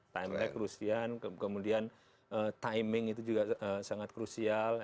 time lag krusial kemudian timing itu juga sangat krusial